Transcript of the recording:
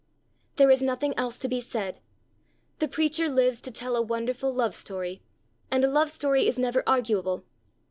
_' There is nothing else to be said. The preacher lives to tell a wonderful love story. And a love story is never arguable.